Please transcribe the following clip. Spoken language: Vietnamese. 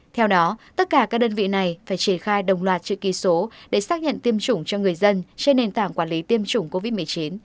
theo đó tất cả các đơn vị này phải triển khai đồng loạt chữ ký số để xác nhận tiêm chủng cho người dân trên nền tảng quản lý tiêm chủng covid một mươi chín